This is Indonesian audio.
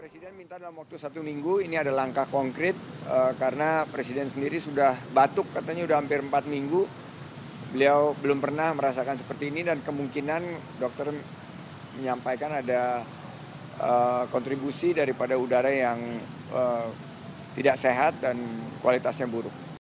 sandi mengungkapkan berdasarkan hasil pemeriksaan dokter presiden batuk yang dialami presiden disebabkan kontribusi udara yang buruk